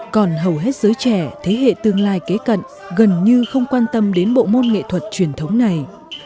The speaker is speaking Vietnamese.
còn hầu hết giới trẻ thế hệ tương lai kế cận gần như không quan tâm đến bộ môn nghệ thuật truyền thống này